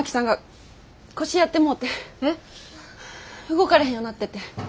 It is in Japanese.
動かれへんようなってて。